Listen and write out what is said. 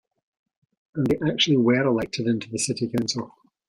And they actually were elected into the city council.